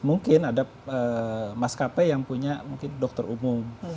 mungkin ada mas k p yang punya mungkin dokter umum